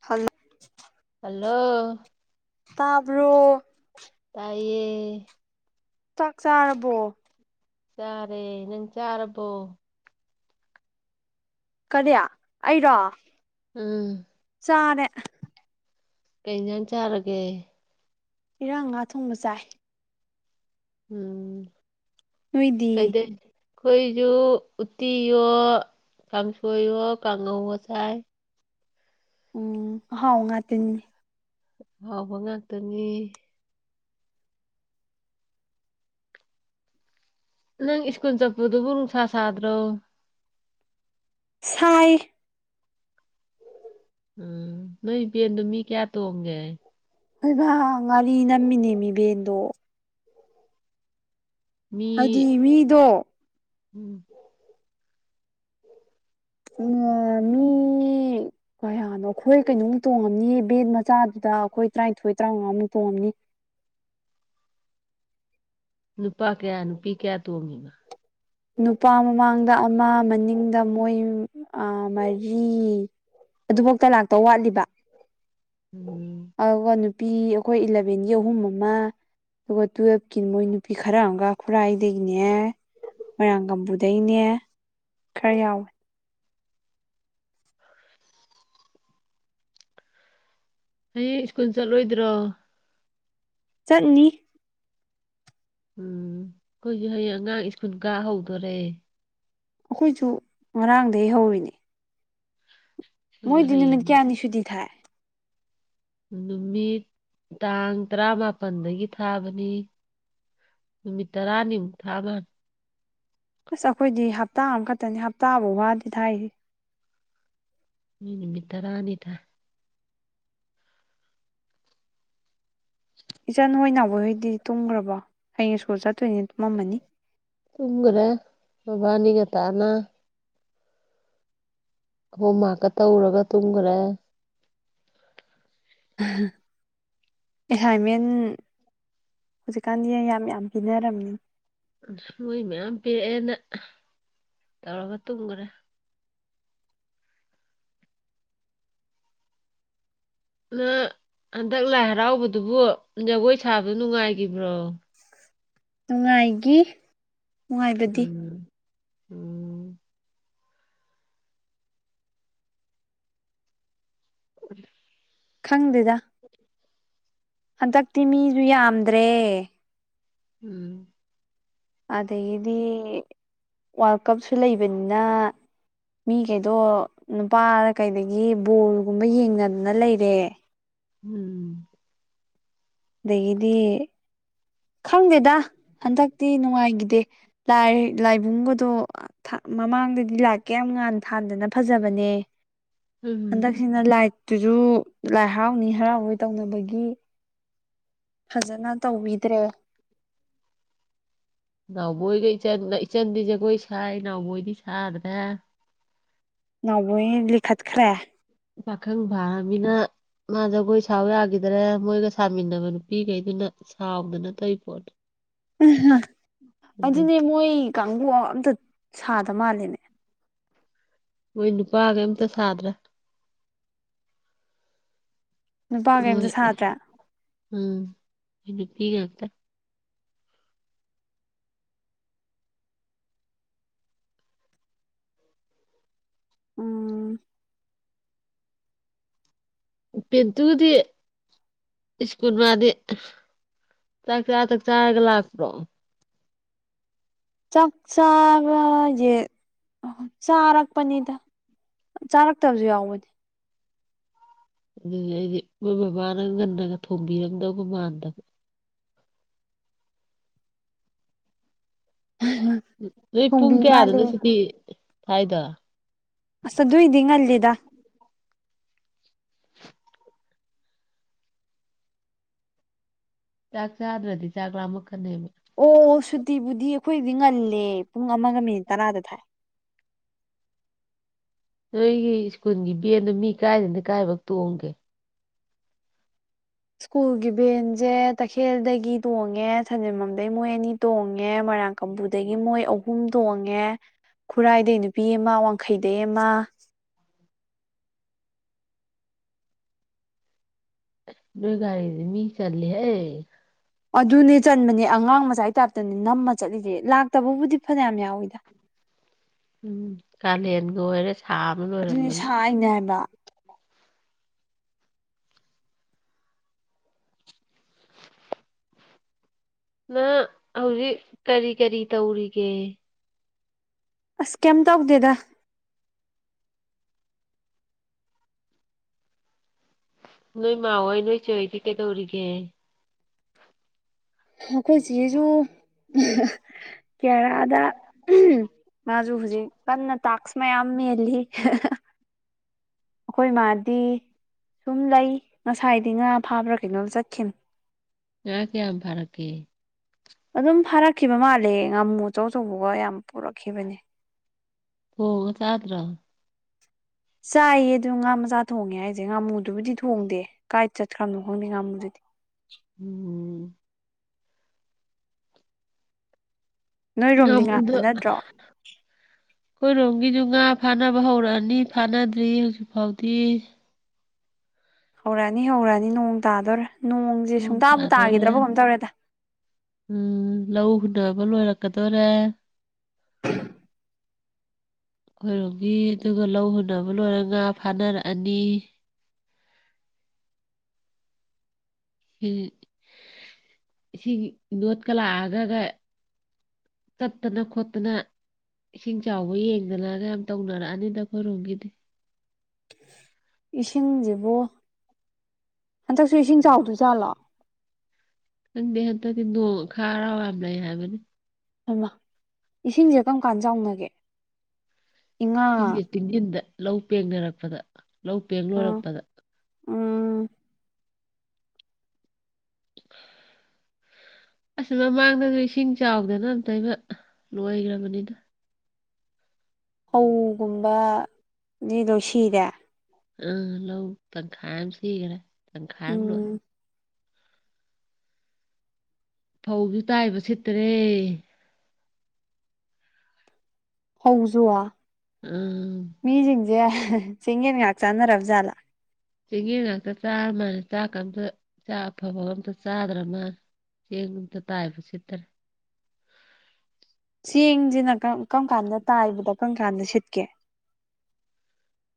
hello hello ꯇꯥꯕ꯭ꯔꯣ ꯇꯥꯏꯌꯦ ꯆꯥꯛ ꯆꯥꯔꯕꯣ ꯆꯥꯔꯦ ꯅꯪ ꯆꯥꯔꯕꯣ ꯀꯔꯤ ꯑꯩꯔꯣ ꯎꯝ ꯆꯥꯔꯦ ꯀꯩ ꯏꯟꯖꯥꯡ ꯆꯥꯔꯒꯦ ꯏꯔꯥꯡ ꯉꯥ ꯊꯣꯡꯕ ꯆꯥꯏ ꯎꯝ ꯅꯣꯏꯗꯤ ꯀꯩꯗꯩ ꯍꯨꯖꯤꯛ ꯑꯈꯣꯏꯖꯨ ꯎꯠꯇꯤꯌꯣ ꯀꯥꯡꯁꯣꯏꯌꯣ ꯀꯥꯡꯉꯧꯒ ꯆꯥꯏ ꯎꯝ ꯑꯍꯥꯎꯕ ꯉꯥꯇꯅꯤꯅꯦ ꯑꯍꯥꯎꯕ ꯉꯥꯛꯇꯅꯤ ꯅꯪ ꯏꯁ꯭ꯀꯨꯜ ꯆꯠꯄꯗꯨꯕꯨ ꯅꯨꯡꯁꯥ ꯁꯥꯗ꯭ꯔꯣ ꯁꯥꯏ ꯎꯝ ꯅꯣꯏ ꯚꯦꯟꯗꯣ ꯃꯤ ꯀꯌꯥ ꯇꯣꯡꯒꯦ ꯑꯩꯕ ꯉꯥꯔꯤ ꯅꯝꯃꯤꯅꯦꯃꯤ ꯚꯦꯟꯗꯣ ꯃꯤ ꯍꯥꯏꯗꯤ ꯃꯤꯗꯣ ꯎꯝ ꯎꯝꯋꯥ ꯃꯤ ꯀꯌꯥ ꯑꯗꯣ ꯑꯩꯈꯣꯏ ꯀꯩꯅꯣꯃꯨꯛ ꯇꯣꯡꯉꯝꯅꯤꯌꯦ ꯚꯦꯟ ꯃꯆꯥꯗꯨꯗ ꯑꯩꯈꯣꯏ ꯇ꯭ꯔꯥꯏꯟꯊꯣꯏ ꯇ꯭ꯔꯥꯉꯥꯃꯨꯛ ꯇꯣꯡꯉꯝꯅꯤ ꯅꯨꯄꯥ ꯀꯌꯥ ꯅꯨꯄꯤ ꯀꯌꯥ ꯇꯣꯡꯉꯤꯕ ꯅꯨꯄꯥ ꯃꯃꯥꯡꯗ ꯑꯃ ꯃꯅꯤꯡꯗ ꯃꯣꯏ ꯑ ꯃꯔꯤ ꯑꯗꯨꯕꯛꯇ ꯂꯥꯛꯇꯧ ꯋꯥꯠꯂꯤꯕ ꯎꯝ ꯑꯗꯨꯒ ꯅꯨꯄꯤ ꯑꯩꯈꯣꯏ ꯏꯂꯕꯦꯟꯒꯤ ꯑꯍꯨꯝ ꯑꯃ ꯑꯗꯨꯒ ꯇꯨꯋꯦꯜꯐꯀꯤ ꯃꯣꯏ ꯅꯨꯄꯤ ꯈꯔꯑꯝꯒ ꯈꯨꯔꯥꯏꯗꯒꯤꯅꯦ ꯃꯣꯏꯔꯥꯡ ꯀꯝꯄꯨꯗꯩꯅꯦ ꯈꯔ ꯌꯥꯎꯋꯦ ꯍꯨꯖꯤꯛ ꯁ꯭ꯀꯨꯜ ꯆꯠꯂꯣꯏꯗ꯭ꯔꯣ ꯆꯠꯅꯤ ꯎꯝ ꯑꯩꯈꯣꯏꯖꯨ ꯍꯌꯦꯡ ꯑꯉꯥꯡ ꯁ꯭ꯀꯨꯜ ꯀꯥ ꯍꯧꯗꯣꯔꯦ ꯑꯩꯈꯣꯏꯖꯨ ꯉꯔꯥꯡꯗꯩ ꯍꯧꯔꯤꯅꯦ ꯑꯩꯈꯣꯏꯁꯨ ꯃꯣꯏꯗꯤ ꯅꯨꯃꯤꯠ ꯍꯌꯦꯡꯗꯤ ꯀꯌꯥꯅꯤ ꯁꯨꯨꯇꯤ ꯊꯥꯏ ꯅꯨꯃꯤꯠ ꯇꯥꯡ ꯇꯔꯥꯃꯥꯄꯟꯗꯒꯤ ꯊꯥꯕꯅꯤ ꯅꯨꯃꯤꯠ ꯇꯔꯥꯅꯤꯃꯨꯛ ꯊꯥꯃꯂꯦ ꯑꯁ ꯑꯩꯈꯣꯏꯗꯤ ꯍꯞꯇꯥ ꯑꯝꯈꯠꯇꯅꯤ ꯍꯞꯇꯥꯕꯥꯎ ꯐꯥꯗꯦ ꯊꯥꯏꯖꯤ ꯃꯤ ꯅꯨꯃꯤꯠꯇꯔꯥꯅꯤ ꯊꯥꯏ [inaudible] ꯏꯆꯟ ꯍꯣꯏ ꯅꯥꯎꯕꯣꯏ ꯍꯣꯏꯗꯤ ꯇꯨꯝꯒ꯭ꯔꯕꯣ ꯍꯌꯦꯡ‌ ꯁ꯭ꯀꯨꯜ ꯆꯠꯇꯣꯏꯅꯤꯅ ꯇꯨꯝꯃꯝꯃꯅꯤ ꯇꯨꯝꯒꯔꯦ ꯃꯣꯏꯕꯅꯤ ꯉꯟꯇꯥꯅ ꯍꯣꯝꯃꯥꯛꯀ ꯇꯧꯔꯒ ꯇꯨꯝꯒꯔꯦ ꯎꯍꯨꯝ ꯑꯦꯁꯥꯏꯟꯃꯦꯟ ꯍꯧꯖꯤꯛꯀꯥꯟꯖꯦ ꯌꯥꯝ ꯌꯥꯝ ꯄꯤꯅꯔꯝꯅꯤ ꯑꯁ ꯃꯣꯏ ꯃꯌꯥꯝ ꯄꯤꯔꯛꯑꯦꯅ ꯇꯧꯔꯒ ꯇꯨꯝꯒꯔꯦ ꯅꯪ ꯍꯟꯗꯛ ꯂꯥꯏ ꯍꯔꯥꯎꯕꯗꯨꯕꯨ ꯖꯒꯣꯏ ꯁꯥꯕꯗꯨ ꯅꯨꯡꯉꯥꯏꯒꯤꯕ꯭ꯔꯣ ꯅꯨꯡꯉꯥꯏꯒꯤ ꯅꯨꯡꯉꯥꯏꯕꯗꯤ ꯎꯝ ꯎꯝ [unintelligible] ꯈꯪꯗꯦꯗ ꯍꯟꯗꯛꯇꯤ ꯃꯤꯖꯨ ꯌꯥꯝꯗ꯭ꯔꯦ ꯎꯝ ꯑꯗꯒꯤꯗꯤ ꯋꯥꯔꯜ ꯀꯞꯁꯨ ꯂꯩꯕꯅꯤꯅ ꯃꯤꯒꯩꯗꯣ ꯅꯨꯄꯥꯗ ꯀꯩꯗꯒꯤ ꯕꯣꯜꯒꯨꯝꯕ ꯌꯦꯡꯅꯗꯅ ꯂꯩꯔꯦ ꯎꯝ ꯑꯗꯒꯤꯗꯤ ꯈꯪꯗꯦꯗ ꯍꯟꯗꯛꯇꯤ ꯅꯨꯡꯉꯥꯏꯒꯤꯗꯦ ꯂꯥꯏ ꯂꯥꯏꯕꯨꯡꯒꯗꯣ ꯊꯥ ꯃꯃꯥꯡꯗꯗꯤ ꯂꯥꯏꯠꯀ ꯌꯥꯝ ꯉꯥꯟ ꯊꯥꯟꯗꯅ ꯐꯖꯕꯅꯦ ꯎꯝ ꯍꯟꯗꯛꯁꯤꯅ ꯂꯥꯏꯠꯇꯨꯖꯨ ꯂꯥꯏ ꯍꯔꯥꯎꯅꯤ ꯍꯔꯥꯎꯔꯣꯏ ꯇꯧꯅꯕꯒꯤ ꯐꯖꯅ ꯇꯧꯕꯤꯗ꯭ꯔꯦ ꯅꯥꯎꯕꯣꯏꯒ ꯏꯆꯟꯒ ꯏꯆꯟꯗꯤ ꯖꯒꯣꯏ ꯁꯥꯏ ꯅꯥꯎꯕꯣꯏꯗꯤ ꯁꯥꯗ꯭ꯔꯦ ꯅꯥꯎꯕꯣꯏꯅ‌ ꯂꯤꯈꯠꯈ꯭ꯔꯦ ꯄꯥꯈꯪ ꯐꯥꯔꯝꯅꯤꯅ ꯃꯥ ꯖꯒꯣꯏ ꯁꯥꯎ ꯌꯥꯒꯤꯗꯔꯦ ꯃꯣꯏꯒ ꯁꯥꯃꯤꯟꯅꯕ ꯅꯨꯄꯤꯒꯩꯗꯨꯅ ꯁꯥꯎꯗꯅ ꯇꯧꯏꯄꯣꯠꯅꯤ ꯎꯍꯥ ꯑꯗꯨꯅꯦ ꯃꯣꯏ ꯀꯥꯡꯕꯨ ꯑꯝꯇ ꯁꯥꯗ ꯃꯥꯜꯂꯦꯅꯦ ꯃꯣꯏ ꯅꯨꯄꯥꯒꯩ ꯑꯝꯇ ꯁꯥꯗ꯭ꯔꯦ ꯅꯨꯄꯥ ꯍꯣꯏ ꯀꯩꯝꯇ ꯁꯥꯗ꯭ꯔꯦ ꯎꯝ ꯅꯨꯄꯤꯉꯥꯛꯇ ꯎꯝ ꯄꯦꯟꯇꯨꯗꯤ ꯁ꯭ꯀꯨꯜ ꯃꯥꯗꯤ ꯆꯥꯛ ꯆꯥ ꯊꯛ ꯆꯥꯔꯒ ꯂꯥꯛꯄ꯭ꯔꯣ ꯆꯥꯛꯆꯥꯕ ꯍꯥꯏꯖꯦ ꯆꯥꯔꯛꯄꯅꯤꯗ ꯆꯥꯔꯛꯇꯕꯁꯨ ꯌꯥꯎꯕꯅꯦ ꯑꯗꯨꯗꯤ ꯑꯩꯗꯤ ꯃꯣꯏ ꯃꯃꯥꯅ ꯉꯟꯅꯒ ꯊꯣꯡꯝꯕꯤꯔꯝꯗꯧꯕ ꯃꯥꯟꯗꯕ [inaudible] ꯅꯣꯏ ꯄꯨꯡ ꯊꯣꯡꯕꯤ ꯀꯌꯥꯗꯅꯣ ꯃꯥꯜꯂꯦ ꯁꯨꯇꯤ ꯊꯥꯏꯗꯣ ꯑꯁ ꯑꯗꯨꯏꯗꯤ ꯉꯜꯂꯤꯗ ꯆꯥꯛ ꯆꯥꯗ꯭ꯔꯗꯤ ꯆꯥꯛ ꯂꯥꯝꯃꯛ ꯀꯅꯤꯕ ꯑꯣ ꯁꯨꯇꯤꯕꯨꯗꯤ ꯑꯈꯣꯏꯗꯤ ꯉꯜꯂꯦ ꯄꯨꯡ ꯑꯃꯒ ꯃꯤꯅꯤꯠ ꯇꯔꯥꯗ ꯊꯥꯏ ꯅꯣꯏꯒꯤ ꯁ꯭ꯀꯨꯜꯒꯤ ꯕꯦꯟꯗꯣ ꯃꯤ ꯀꯥꯏꯗꯩꯩꯅ ꯀꯥꯏꯕꯣꯛ ꯇꯣꯡꯒꯦ ꯁ꯭ꯀꯨꯜꯒꯤ ꯕꯦꯟꯁꯦ ꯇꯈꯦꯜꯗꯒꯤ ꯇꯣꯡꯉꯦ ꯁꯟꯖꯦꯜꯕꯝꯗꯩꯩ ꯃꯣꯏ ꯑꯅꯤ ꯇꯣꯡꯉꯦ ꯃꯔꯣꯏꯔꯥꯡ ꯀꯝꯄꯨꯗꯒꯤ ꯃꯣꯏ ꯑꯍꯨꯝ ꯇꯣꯡꯉꯦ ꯈꯨꯔꯥꯏꯗꯩꯩ ꯅꯨꯄꯤ ꯑꯃ ꯋꯥꯡꯈꯩꯗꯩꯩ ꯑꯃ ꯅꯣꯏ ꯒꯥꯔꯤꯗꯤ ꯃꯤ ꯆꯠꯂꯤ ꯍꯦ ꯑꯗꯨꯅꯦ ꯆꯟꯕꯅꯦ ꯑꯉꯥꯡ ꯃꯆꯥꯒꯤ ꯇꯥꯏꯞꯇꯅꯦ ꯅꯝꯃ ꯆꯠꯂꯤꯁꯦ ꯂꯥꯛꯇꯕꯕꯨꯗꯤ ꯐꯅꯌꯥꯝ ꯌꯥꯎꯋꯤꯗ ꯎꯝ ꯀꯂꯦꯟꯒ ꯑꯣꯏꯔꯦ ꯁꯥꯕꯅ ꯂꯣꯏ ꯑꯗꯨꯅꯤ ꯁꯥꯏꯅꯦ ꯍꯥꯏꯕ ꯅꯪ ꯍꯧꯖꯤꯛ ꯀꯔꯤ ꯀꯔꯤ ꯇꯧꯔꯤꯒꯦ ꯑꯁ ꯀꯩꯝ ꯇꯧꯗꯦꯗ ꯅꯣꯏ ꯃꯥꯍꯣꯏ ꯅꯣꯏ ꯆꯦ ꯍꯣꯏꯗꯤ ꯀꯩꯗꯧꯔꯤꯒꯦ ꯑꯈꯣꯏꯆꯦꯖꯨ [unintelligible] ꯃꯥꯖꯨ ꯍꯧꯖꯤꯛ ꯀꯟꯅ ꯇꯥꯛꯁ ꯃꯌꯥꯝ ꯃꯦꯜꯂꯤ ꯑꯈꯣꯏ ꯃꯥꯗꯤ ꯁꯨꯝ ꯂꯩ ꯉꯁꯥꯏꯗꯤ ꯉꯥ ꯐꯥꯕ꯭ꯔꯥ ꯀꯩꯅꯣꯝ ꯆꯠꯈꯤꯝ ꯌꯥ ꯀꯌꯥꯝ ꯐꯔꯛ ꯀꯦ ꯑꯗꯨꯝ ꯐꯥꯔꯛꯈꯤꯕ ꯃꯥꯜꯂꯦ ꯉꯥꯃꯨ ꯑꯆꯧ ꯑꯆꯧꯕꯒ ꯌꯥꯝ ꯄꯨꯔꯛꯈꯤꯕꯅꯦ ꯊꯣꯡꯉ ꯆꯥꯗ꯭ꯔꯣ ꯆꯥꯏꯌꯦ ꯑꯗꯨ ꯉꯥ ꯃꯆꯥ ꯊꯣꯡꯉꯦ ꯍꯥꯏꯁꯦ ꯉꯥꯃꯨꯗꯨꯕꯨꯗꯤ ꯊꯣꯡꯗꯦ ꯀꯥꯏ ꯆꯠꯈ꯭ꯔꯕꯅꯣ ꯈꯪꯗꯦ ꯉꯥꯃꯨꯗꯨꯗꯤ [inaudible] ꯅꯣꯏꯔꯣꯝꯗꯤ ꯉꯥ ꯉꯥꯃꯨꯗꯣ ꯐꯥꯅꯗ꯭ꯔꯣ ꯈꯣꯏꯔꯣꯝꯒꯤꯖꯨ ꯉꯥ ꯐꯥꯅꯕ ꯍꯧꯔꯛꯑꯅꯤ ꯐꯥꯅꯗ꯭ꯔꯤ ꯍꯧꯖꯤꯛ ꯐꯥꯎꯗꯤ ꯍꯧꯔꯛꯑꯅꯤ ꯍꯧꯔꯛꯑꯅꯤ ꯅꯣꯡ ꯇꯥꯗꯣꯔꯦ ꯅꯣꯡꯁꯦ ꯃꯇꯨꯡ ꯁꯨꯡꯇꯥꯕꯨ ꯇꯥꯗꯣꯔꯦ ꯇꯥꯒꯤꯗ꯭ꯔꯕ ꯀꯩꯅꯣꯝ ꯇꯧꯔꯦꯗ ꯎꯝ ꯂꯧ ꯍꯨꯟꯅꯕ ꯂꯣꯏꯔꯛꯀꯗꯣꯔꯦ [inaudible] ꯈꯣꯏꯔꯣꯝꯒꯤ ꯑꯗꯨꯒ ꯂꯧ ꯍꯨꯟꯅꯕ ꯂꯣꯏꯔꯒ ꯉꯥ ꯐꯥꯅꯔꯛꯑꯅꯤ ꯎꯝ ꯏꯁꯤꯡꯒꯤ ꯏꯅꯣꯠꯀ ꯂꯥꯛꯑꯒꯒ ꯆꯠꯇꯅ ꯈꯣꯠꯇꯅ ꯏꯁꯤꯡ ꯆꯥꯎꯕ ꯌꯦꯡꯗꯅꯒ ꯌꯥꯝ ꯇꯧꯅꯔꯛꯑꯅꯤꯗ ꯑꯈꯣꯏꯔꯣꯝꯒꯤꯗꯤ [inaudible] ꯏꯁꯤꯡꯖꯤꯕꯨ ꯍꯟꯇꯛꯁꯨ ꯏꯁꯤꯡ ꯆꯥꯎꯗꯣꯏꯖꯥꯠꯂꯣ ꯈꯪꯗꯦ ꯍꯟꯇꯛꯇꯤ ꯅꯣꯡ ꯑꯈꯥꯛ ꯑꯔꯥꯎ ꯌꯥꯝ ꯂꯩ ꯍꯥꯏꯕꯅꯤ ꯍꯩꯃ ꯏꯁꯤꯡꯖꯦ ꯀꯝꯀꯥꯟ ꯆꯥꯎꯅꯒꯦ ꯏꯉꯥ ꯏꯁꯤꯡꯖꯦ ꯆꯤꯡꯖꯤꯟꯗ ꯂꯧ ꯄꯦꯡꯅꯔꯛꯄꯗ ꯂꯧ ꯄꯦꯡ ꯑ ꯂꯣꯏꯔꯛꯄꯗ ꯎꯝ ꯑꯁ ꯃꯃꯥꯡꯗꯁꯨ ꯏꯁꯤꯡ ꯆꯥꯎꯗꯅ ꯑꯝꯇꯣꯏꯕ ꯂꯣꯏꯒ꯭ꯔꯕꯅꯤꯗ ꯐꯧꯒꯨꯝꯕꯗꯤ ꯂꯣꯏ ꯁꯤꯔꯦ ꯑ ꯂꯧ ꯇꯪꯈꯥꯏꯝ ꯁꯤꯒꯔꯦ ꯇꯪꯈꯥꯏ ꯑꯃ ꯂꯣꯛꯑꯦ ꯎꯝ ꯐꯧꯖꯨ ꯇꯥꯏꯕ ꯁꯤꯠꯇꯔꯦ ꯍꯧꯖꯨꯋꯥ ꯎꯝ ꯃꯤꯖꯤꯡꯖꯦ ꯆꯦꯡꯌꯦꯟ ꯉꯥꯛ ꯆꯥꯟꯅꯔꯕ ꯖꯥꯠꯂ ꯆꯦꯡꯉꯦꯟ ꯉꯥꯛꯇ ꯆꯥꯔ ꯃꯜꯂꯦ ꯆꯥꯛꯀ ꯑꯝꯇ ꯆꯥꯛ ꯑꯐꯕ ꯑꯇ ꯆꯥꯗ꯭ꯔ ꯃꯥ ꯆꯦꯡ ꯑꯝꯇ ꯇꯥꯏꯕ ꯁꯤꯠꯇ꯭ꯔ ꯆꯦꯡꯖꯤꯅ ꯀꯝ ꯀꯔꯝ ꯀꯥꯟꯗ ꯇꯥꯏꯕꯗ ꯀꯔꯝ ꯀꯥꯟꯗ ꯁꯤꯠꯀꯦ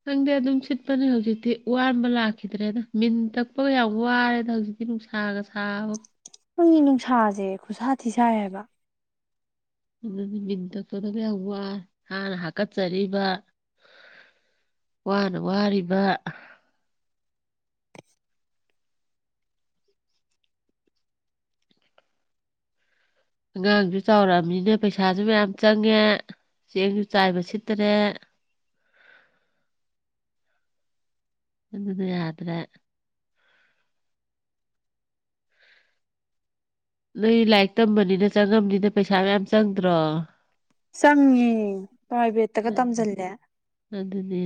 ꯈꯪꯗꯦ ꯑꯗꯨꯝ ꯁꯤꯠꯄꯅꯦ ꯍꯧꯖꯤꯛꯇꯤ ꯋꯥꯟꯕ ꯂꯥꯛꯈꯤꯗ꯭ꯔꯦꯗ ꯃꯤꯟ ꯇꯛꯄꯒ ꯌꯥꯝ ꯋꯥꯔꯦꯗ ꯍꯧꯖꯤꯛ ꯇꯤ ꯅꯨꯡꯁꯥꯒ ꯁꯕ [unintelligible] ꯅꯨꯡꯁꯥꯁꯦ ꯈꯨꯠꯁꯥ ꯊꯤꯁꯥꯏ ꯍꯥꯏꯕ ꯑꯗꯨꯅꯤ ꯃꯤꯟ ꯇꯛꯄꯗꯕ ꯌꯥꯝ ꯋꯥꯏ ꯍꯥꯟꯅ ꯍꯥꯀꯠꯆꯔꯤꯕ ꯋꯥꯅ ꯋꯥꯔꯤꯕ ꯑꯉꯥꯡꯖꯨ ꯆꯥꯎꯔꯛꯑꯃꯤꯅ ꯄꯩꯁꯥꯁꯨ ꯃꯌꯥꯝ ꯆꯪꯉꯦ ꯆꯦꯡꯖꯨ ꯆꯥꯏꯕ ꯁꯤꯠꯇꯔꯦ ꯑꯗꯨꯗꯤ ꯌꯥꯗ꯭ꯔꯦ ꯅꯣꯏ ꯂꯥꯏꯔꯤꯛ ꯇꯝꯕꯅꯤꯅ ꯆꯪꯉꯝꯅꯤꯗ ꯄꯩꯁꯥ ꯃꯌꯥꯝ ꯆꯪꯗ꯭ꯔꯣ ꯆꯪꯉꯦ ꯄꯥꯏꯕꯦꯠ ꯑꯗꯨꯅꯦ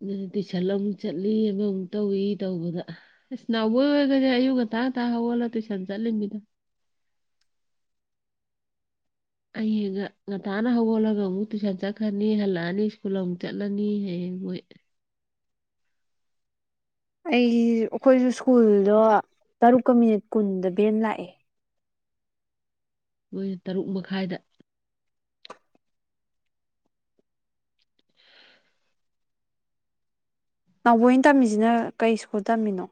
ꯑꯗꯨꯅꯤ ꯇꯨꯏꯁꯟ ꯑꯃꯨꯛ ꯆꯠꯂꯤ ꯑꯃꯃꯨꯛ ꯇꯧꯏ ꯇꯧꯕꯗ ꯏꯁ ꯅꯕꯣꯏ ꯍꯣꯏꯒꯗꯤ ꯑꯌꯨꯛ ꯉꯟꯇꯥ ꯉꯇꯥ ꯍꯧꯒꯠꯂꯒ ꯇꯨꯁꯟ ꯆꯠꯂꯤꯝꯅꯤꯗ ꯑꯩ ꯉ ꯉꯟꯇꯥꯅ ꯍꯧꯒꯠꯂꯒ ꯑꯃꯨꯛ ꯇꯨꯏꯁꯟ ꯆꯠꯈ꯭ꯔꯅꯤ ꯍꯜꯂꯛꯑꯅꯤ ꯁ꯭ꯀꯨꯜ ꯑꯃꯨꯛ ꯆꯠꯂꯅꯤ ꯍꯌꯦꯡ ꯃꯣꯏ ꯑꯩ ꯑꯈꯣꯏꯖꯨ ꯁ꯭ꯀꯨꯜꯗꯣ ꯇꯔꯨꯛꯀ ꯃꯤꯅꯤꯠ ꯀꯨꯟꯗ ꯕꯦꯟ ꯂꯥꯛꯑꯦ ꯃꯣꯏ ꯇꯔꯨꯛ ꯃꯈꯥꯏꯗ ꯅꯥꯎꯕꯣꯏꯅ ꯇꯝꯃꯤꯖꯤꯅ ꯀꯩ ꯁ꯭ꯀꯨꯜ ꯇꯝꯃꯤꯅꯣ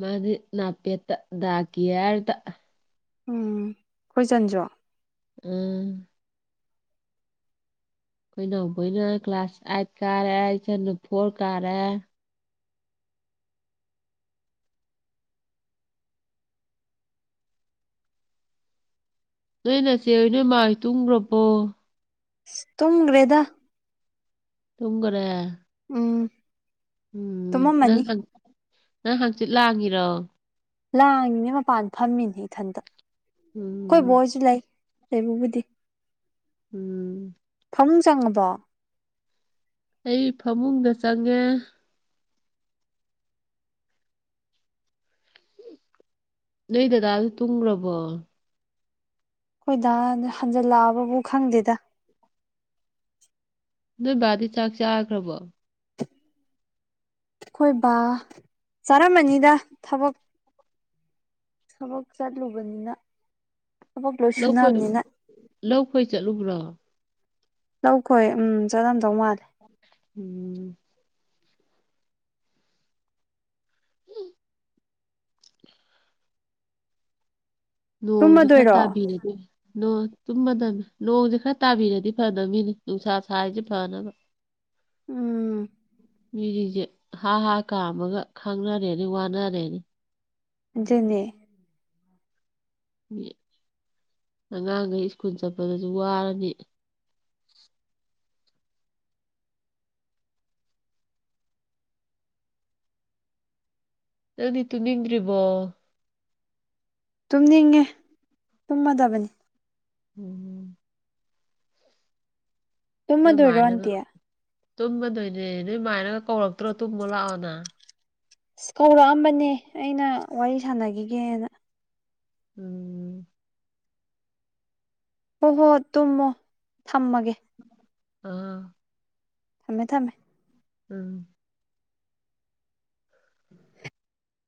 ꯃꯗꯤ ꯅꯥꯄꯦꯠꯇ ꯗꯀꯤꯔꯇ ꯎꯝ ꯈꯣꯏꯆꯟꯁꯨ ꯎꯝ ꯑꯩꯈꯣꯏꯅꯥꯎꯕꯣꯏꯅ ꯀ꯭ꯂꯥꯁ ꯑꯥꯏꯠ ꯀꯥꯔꯦ ꯏꯆꯅꯨ ꯐꯣꯔ ꯀꯥꯔꯦ ꯅꯣꯏ ꯅꯆꯦ ꯅꯣꯏ ꯃꯥꯥꯏ ꯇꯨꯡꯈ꯭ꯔꯕꯣ ꯇꯨꯝ ꯒꯔꯦꯗꯥ ꯇꯨꯝꯒꯔꯦ ꯎꯝ ꯎꯝ ꯅꯪ ꯇꯨꯝꯃꯝꯃꯅꯤ ꯅꯪ ꯍꯪꯆꯤꯠ ꯂꯥꯛꯈꯤꯔꯣ ꯂꯥꯡꯉꯤꯅꯦ ꯃꯄꯥꯟ ꯐꯝꯃꯤꯅꯦ ꯏꯊꯟꯇ ꯎꯝ ꯑꯩꯈꯣꯏ ꯕꯣꯏꯁꯨ ꯂꯩ ꯂꯩꯕꯕꯨꯗꯤ ꯎꯝ ꯐꯃꯨꯡ ꯆꯪꯉꯕꯣ ꯑꯩ ꯐꯃꯨꯡꯗ ꯆꯪꯉꯦ ꯅꯣꯏ ꯗꯗꯥꯁꯨ ꯇꯨꯡꯈ꯭ꯔꯕꯣ ꯑꯩꯈꯣꯏꯗ ꯍꯟꯖꯜꯂꯛꯑꯕꯕꯨ ꯈꯪꯗꯦꯗ ꯅꯣꯏ ꯕꯥꯗꯤ ꯆꯥꯛ ꯆꯥꯈ꯭ꯔꯕꯣ ꯑꯩꯈꯣꯏꯕ ꯆꯥꯔꯝꯃꯅꯤꯗ ꯊꯕꯛ ꯊꯕꯛ ꯆꯠꯂꯨꯕꯅꯤꯅ ꯊꯕꯛ ꯂꯣꯏ ꯂꯧ ꯈꯣꯏ ꯁꯨꯅꯕꯅꯤꯅ ꯂꯧ ꯈꯣꯏ ꯆꯠꯂꯨꯕ꯭ꯔꯣ ꯂꯧꯈꯣꯏ ꯎꯝ ꯆꯠꯂꯝꯗꯧ ꯃꯥꯜꯂꯦ ꯎꯝ ꯅꯣꯡꯁꯦ ꯈꯔ ꯇꯨꯝꯃꯗꯣꯏꯔꯣ ꯇꯥꯕꯤꯔꯒꯦ ꯅ ꯇꯨꯝꯃꯗꯕꯅꯤ ꯅꯣꯡꯁꯦ ꯈꯔ ꯇꯥꯕꯤꯔꯗꯤ ꯐꯗꯕꯅꯤꯅꯦ ꯅꯨꯡꯁꯥ ꯁꯥꯔꯤꯁꯦ ꯐꯅꯕ ꯎꯝ ꯃꯤꯁꯤꯡꯁꯦ ꯍꯥ ꯍꯥ ꯀꯥꯝꯃꯒ ꯈꯥꯡꯅꯔꯦꯅꯤ ꯋꯥꯅꯔꯦꯅꯤ ꯑꯗꯨꯖꯅꯦ ꯃꯤ ꯑꯉꯥꯡꯈꯩ ꯁ꯭ꯀꯨꯜ ꯆꯠꯄꯗꯁꯨ ꯋꯥꯔꯅꯤ ꯅꯪꯅꯤ ꯇꯨꯝ ꯅꯤꯡꯗ꯭ꯔꯤꯕꯣ ꯇꯨꯝꯅꯤꯡꯉꯦ ꯇꯨꯝꯃꯗꯕꯅꯤ ꯎꯝ ꯇꯨꯝꯃꯗꯣꯏꯔꯣ ꯅꯣꯏꯃꯥꯏꯅꯒ ꯑꯟꯇꯤ ꯇꯨꯝꯃꯗꯣꯏꯅꯦ ꯅꯣꯏꯃꯥꯏꯅꯒ ꯀꯧꯔꯛꯇ꯭ꯔꯣ ꯇꯨꯝꯃꯣ ꯂꯥꯛꯑꯣꯅ ꯑꯁ ꯀꯧꯔꯛꯑꯝꯕꯅꯦ ꯑꯩꯅ ꯋꯥꯔꯤ ꯁꯥꯟꯅꯈꯤꯒꯦꯅ ꯎꯝ ꯍꯣꯏ ꯍꯣ ꯇꯨꯝꯃꯣ ꯊꯝꯃꯒꯦ ꯑꯥ ꯊꯝꯃꯦ ꯊꯝꯃꯦ ꯎꯝ [unintelligible]